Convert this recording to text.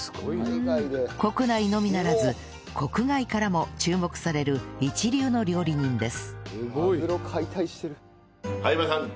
国内のみならず国外からも注目される一流の料理人です